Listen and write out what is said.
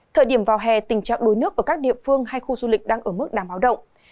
thời điểm vào hè tình trạng đuối nước ở các địa phương hay khu du lịch đang ở mức đàm báo động